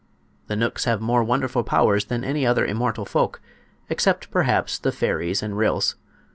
The knooks have more wonderful powers than any other immortal folk—except, perhaps, the fairies and ryls.